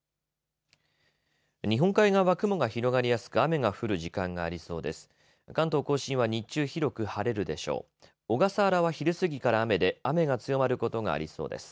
日本海側は雲が広がりやすく雨が降る時間がありそうです。